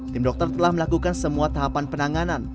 tim dokter telah melakukan semua tahapan penanganan